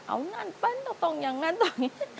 เอางั้นตรงอย่างนั้นตรงนี้